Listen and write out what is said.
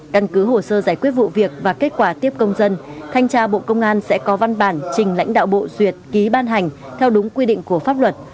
căn cứ hồ sơ giải quyết vụ việc và kết quả tiếp công dân thanh tra bộ công an sẽ có văn bản trình lãnh đạo bộ duyệt ký ban hành theo đúng quy định của pháp luật